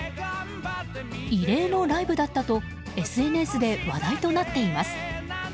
異例のライブだったとＳＮＳで話題となっています。